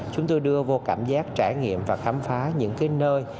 chúng tôi đưa vô cảm giác trải nghiệm và khám phá những cái nơi